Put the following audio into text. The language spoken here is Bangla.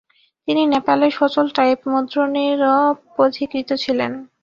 তিনি নেপালে সচল টাইপ মুদ্রণেরও পথিকৃৎ ছিলেন।